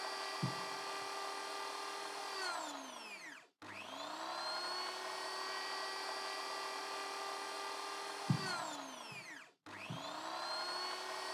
کے پی کے مہ بٹوں نہ پات دھری تھی۔